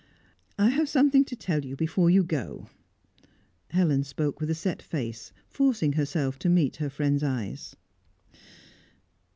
"I have something to tell you before you go." Helen spoke with a set face, forcing herself to meet her friend's eyes.